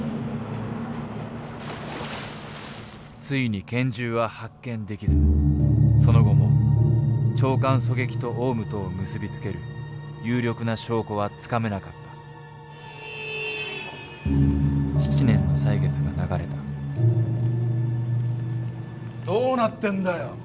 ついに拳銃は発見できずその後も長官狙撃とオウムとを結び付ける有力な証拠はつかめなかった７年の歳月が流れたどうなってんだよ。